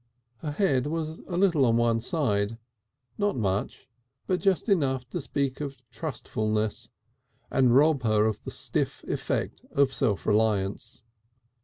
Her head was a little on one side, not much, but just enough to speak of trustfulness, and rob her of the stiff effect of self reliance.